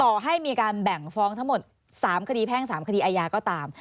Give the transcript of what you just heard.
ต่อให้มีการแบ่งฟ้องทั้งหมด๓คดีแพ่ง๓คดีอาญาก็ตาม